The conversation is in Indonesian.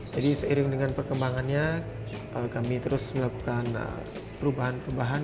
jadi seiring dengan perkembangannya kami terus melakukan perubahan perubahan